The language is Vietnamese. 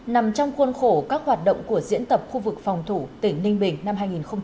nằm trong khuôn khổ các hoạt động của diễn tập khu vực phòng thủ tỉnh ninh bình năm hai nghìn hai mươi